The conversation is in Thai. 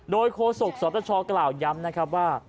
โดยโคศกสตชกล่าวย้ำนะครับว่า